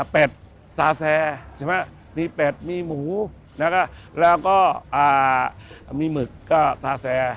เป็ดซาแสมีเป็ดมีหมูแล้วก็มีหมึกก็ซาแส